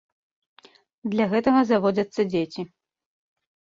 Для гэтага заводзяцца дзеці.